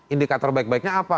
indikator baik baiknya apa